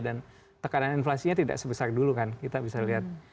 dan tekanan inflasinya tidak sebesar dulu kan kita bisa lihat